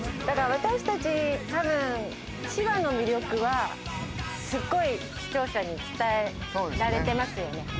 だから私たちたぶん千葉の魅力はすっごい視聴者に伝えられてますよね。